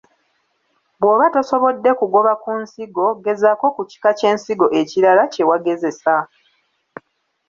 Bw’oba tosobodde kugoba ku nsigo, gezaako ku kika ky’ensigo ekirara kye wagezesa.